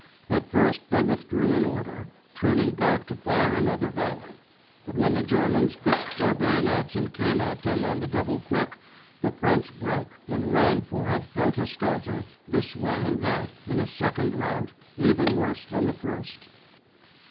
At first they withdrew in order, turning back to fire another volley; but when the Germans fixed their bayonets and came at them on the double quick, the French broke, and ran for it, helter skelter, this way and that, in a second rout, even worse than the first.